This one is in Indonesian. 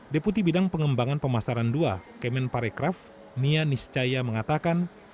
deputi bidang pengembangan pemasaran dua kemen parekraf nia niscaya mengatakan